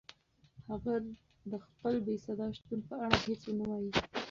هغه د خپل بېصدا شتون په اړه هیڅ نه وایي.